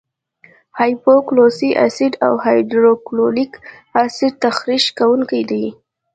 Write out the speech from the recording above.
هایپو کلورس اسید او هایدروکلوریک اسید تخریش کوونکي دي.